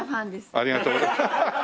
ありがとうございます。